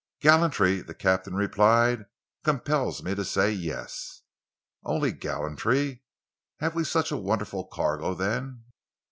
"Gallantry," the captain replied, "compels me to say yes!" "Only gallantry? Have we such a wonderful cargo, then?"